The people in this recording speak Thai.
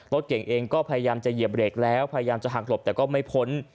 รถเก่งเองก็พยายามจะเหยียบเบรกแล้วพยายามจะหักหลบแต่ก็ไม่พ้น